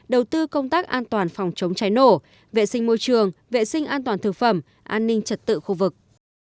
đầu tư công tác an toàn phòng chống cháy nổ vệ sinh môi trường vệ sinh an toàn thực phẩm an ninh trật tự khu vực